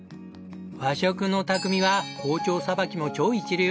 和食の匠は包丁さばきも超一流。